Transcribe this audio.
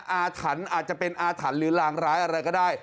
อาถรรพ์อาจจะเป็นอาถรรพ์หรือลางร้ายอะไรก็ได้